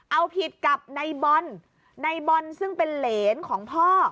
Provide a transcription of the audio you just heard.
เอาผิดกับในบอลในบอลซึ่งเป็นเหรนของพ่อ